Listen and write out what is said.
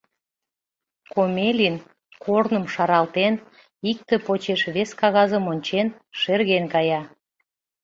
Комелин, корным шаралтен, икте почеш вес кагазым ончен, шерген кая.